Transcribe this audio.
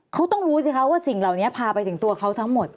เขาต้องรู้สิคะว่าสิ่งเหล่านี้พาไปถึงตัวเขาทั้งหมด